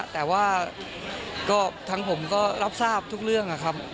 แต่ว่าก็ทั้งผมก็รับทราบทุกเรื่องนะครับ